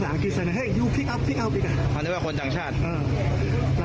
แล้วก็ถามคุณเพราะบอกว่าการรถยนต์ผู้การแล้วยังได้จบละ